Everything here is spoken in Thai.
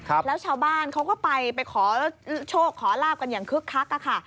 แล้วชาวบ้านเขาก็ไปขอโชคขอลาบกันอย่างคึกคัก